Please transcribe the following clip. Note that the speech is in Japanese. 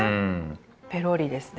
ペロリですね